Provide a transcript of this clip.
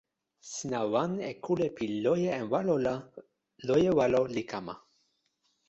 sina wan e kule pi loje en walo la loje walo li kama.